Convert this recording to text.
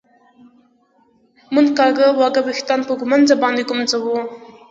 مونږ کاږه واږه وېښتان په ږمونځ باندي ږمنځوو